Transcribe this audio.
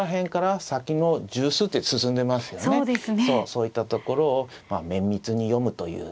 そういったところを綿密に読むという。